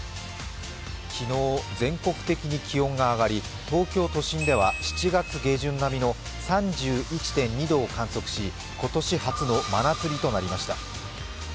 昨日全国的に気温が上がり東京都心では、７月下旬並みの３１．２度を観測し、今年初の真夏日となりました。